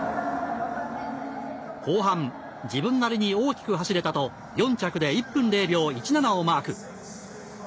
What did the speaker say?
後半自分なりに大きく走れたと４着で１分０秒１７をマーク。